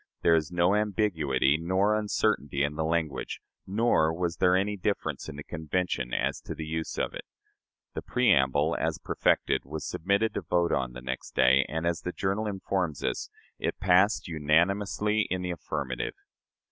There is no ambiguity nor uncertainty in the language; nor was there any difference in the Convention as to the use of it. The preamble, as perfected, was submitted to vote on the next day, and, as the journal informs us, "it passed unanimously in the affirmative."